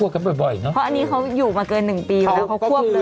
ก็ควบกันบ่อยเนอะเพราะอันนี้เขาอยู่มาเกิน๑ปีแล้วเขาควบดื่ม